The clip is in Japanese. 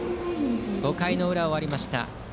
５回の裏が終わりました。